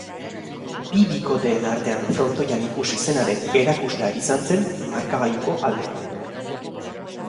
Bi bikoteen artean frontoian ikusi zenaren erakuslea izan zen markagailuko aldea.